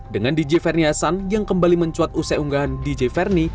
dengan dj verniasan yang kembali mencuat usai unggahan dj verni